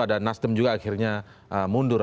ada nasdem juga akhirnya mundur